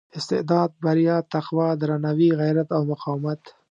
استعداد بریا تقوا درناوي غیرت او مقاومت.